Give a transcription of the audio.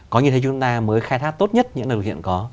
có như thế chúng ta mới khai thác tốt nhất những lực hiện có